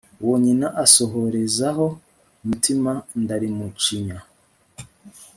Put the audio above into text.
uwo nyina asohorezaho umutima ndalimucinya